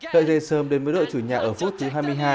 lợi dây sơm đến với đội chủ nhà ở phút thứ hai mươi hai